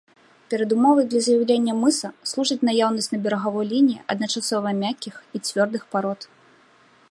Перадумовай для з'яўлення мыса служыць наяўнасць на берагавой лініі адначасова мяккіх і цвёрдых парод.